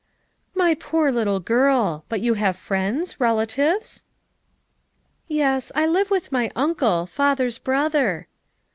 "My poor little girl! but you have friends, relatives V "Yes, I live with my uncle, father's brother."